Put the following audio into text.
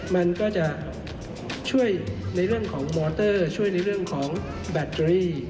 มันก็จะช่วยในเรื่องของมอเตอร์ช่วยในเรื่องของแบตเตอรี่